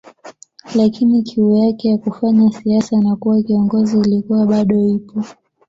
Lakini kiu yake ya kufanya siasa na kuwa kiongozi ilikuwa bado ipo